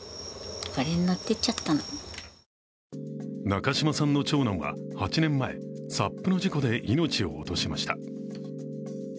中島さんの長男は８年前ＳＵＰの事故で命を落としました。